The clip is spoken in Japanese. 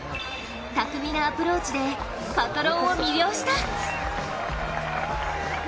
巧みなアプローチでパトロンを魅了した。